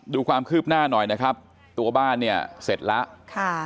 ดูความคืบหน้าหน่อยนะครับตัวบ้านเนี่ยเสร็จแล้วค่ะ